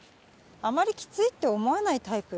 あまりきついって思わないタイプ。